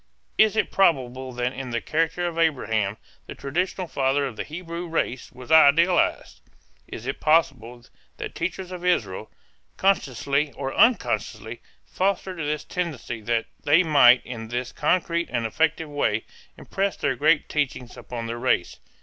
Is it probable that in the character of Abraham the traditional father of the Hebrew race was idealized? Is it possible that teachers of Israel, consciously or unconsciously, fostered this tendency that they might in this concrete and effective way impress their great teachings upon their race?